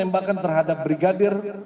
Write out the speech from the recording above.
membakan terhadap brigadir